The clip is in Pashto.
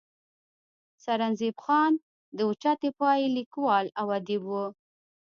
سرنزېب خان د اوچتې پائې ليکوال او اديب وو